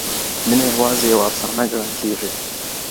مینه یوازې یوه افسانه ګڼل کیږي.